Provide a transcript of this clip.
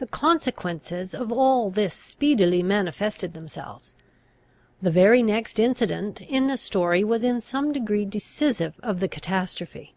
The consequences of all this speedily manifested themselves. The very next incident in the story was in some degree decisive of the catastrophe.